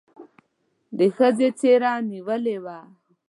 د ښځې څېره نېولې وه.